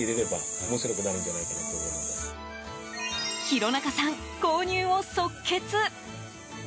廣仲さん、購入を即決。